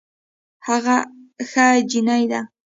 هغه ښه جينۍ ده